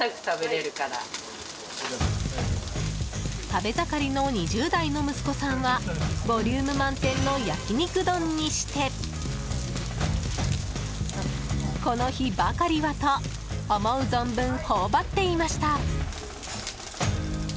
食べ盛りの２０代の息子さんはボリューム満点の焼き肉丼にしてこの日ばかりはと思う存分、頬張っていました。